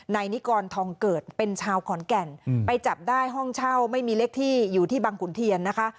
นิกรทองเกิดเป็นชาวขอนแก่นไปจับได้ห้องเช่าไม่มีเลขที่อยู่ที่บังขุนเทียนนะคะ